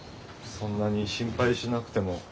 そんなに心配しなくても。